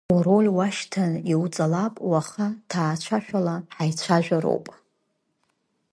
Уроль уашьҭан иуҵалап, уаха ҭаацәашәала ҳаицәажәароуп.